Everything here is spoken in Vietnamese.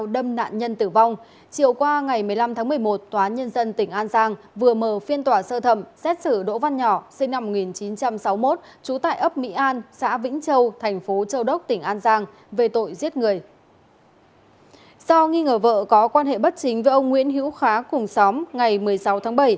do nghi ngờ vợ có quan hệ bất chính với ông nguyễn hữu khá cùng xóm ngày một mươi sáu tháng bảy